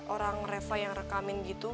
orang reva yang rekamin gitu